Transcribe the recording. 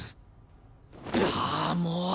ああもう！